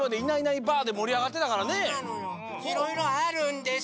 いろいろあるんです！